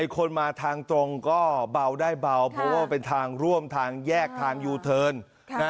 คนมาทางตรงก็เบาได้เบาเพราะว่าเป็นทางร่วมทางแยกทางยูเทิร์น